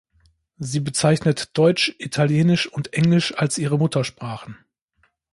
Sie bezeichnet Deutsch, Italienisch und Englisch als ihre Muttersprachen.